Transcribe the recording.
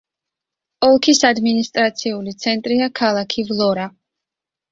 ოლქის ადმინისტრაციული ცენტრია ქალაქი ვლორა.